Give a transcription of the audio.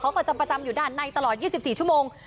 เขาก็จะประจำอยู่ด้านในตลอด๒๔ชั่วโมง